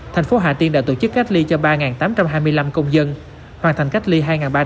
thành phố hà tiên đã tổ chức cách ly cho ba tám trăm hai mươi năm công dân hoàn thành cách ly hai ba trăm chín mươi một